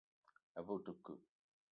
A ve o te ke ?